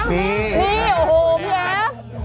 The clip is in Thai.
นี่โอ้โหพี่แอฟ